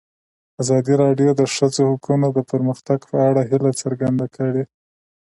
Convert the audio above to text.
ازادي راډیو د د ښځو حقونه د پرمختګ په اړه هیله څرګنده کړې.